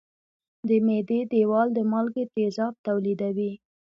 د معدې دېوال د مالګي تیزاب تولیدوي.